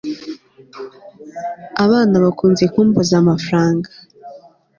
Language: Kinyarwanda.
Abana bakunze kumbaza amafaranga